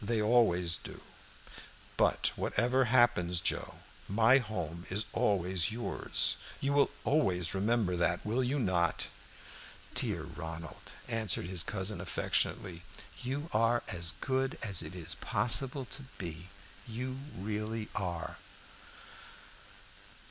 "They always do. But whatever happens, Joe, my home is always yours. You will always remember that, will you not?" "Dear Ronald," answered his cousin affectionately, "you are as good as it is possible to be you really are."